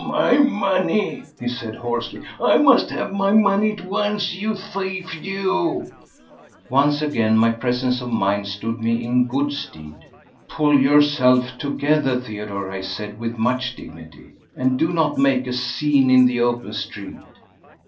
"My money!" he said hoarsely. "I must have my money at once! You thief! You ..." Once again my presence of mind stood me in good stead. "Pull yourself together, Theodore," I said with much dignity, "and do not make a scene in the open street."